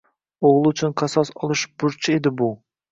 O’g’li uchun qasos olish burchi edi bu.